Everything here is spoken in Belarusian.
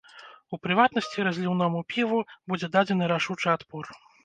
У прыватнасці, разліўному піву будзе дадзены рашучы адпор.